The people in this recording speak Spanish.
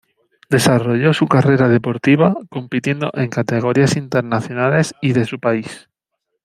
Desarrolló su carrera deportiva compitiendo en categorías internacionales y de su país.